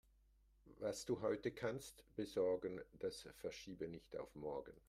Was du heute kannst besorgen, das verschiebe nicht auf morgen.